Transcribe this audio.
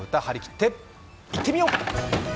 張り切っていってみよう！